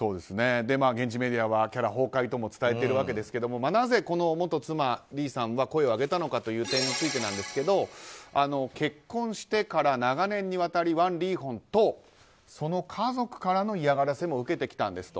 現地メディアはキャラ崩壊とも伝えているわけですがなぜ、この元妻リーさんが声を上げたのかという点についてですが結婚してから長年にわたりワン・リーホンとその家族からの嫌がらせも受けてきたんですと。